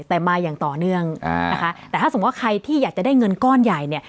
แต่มาอย่างต่อเนื่องนะคะแต่ถ้าสมมุติว่าใครที่อยากจะได้เงินก้อนใหญ่เนี่ย